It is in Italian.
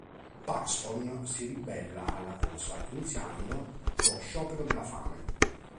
Paxton si ribella alla cosa iniziando lo sciopero della fame.